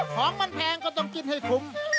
ของมันแพงก็ต้องกินให้คุ้ม